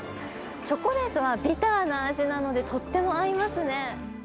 チョコレートはビターな味なのでとっても合いますね。